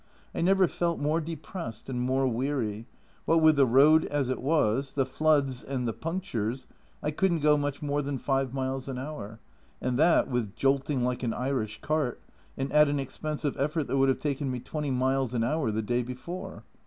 I never felt more depressed and more weary ; what with the road as it was, the floods, and the punctures, I couldn't go much more than 5 miles an hour, and that with jolting like an Irish cart, and at an expense of effort that would have taken me 20 miles an hour the day before.